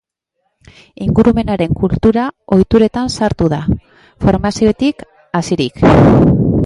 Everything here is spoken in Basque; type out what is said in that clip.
Ingurumenaren kultura ohituretan sartu da, formaziotik hasirik.